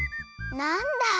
なんだ。